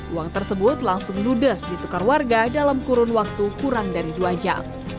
uang tersebut langsung ludes ditukar warga dalam kurun waktu kurang dari dua jam